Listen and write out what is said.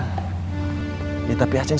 tapi ceng sama idoi kemana